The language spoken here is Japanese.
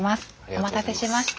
お待たせしました。